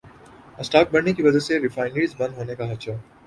stock بڑھنے کی وجہ سے ریفائنریز بند ہونے کا خدشہ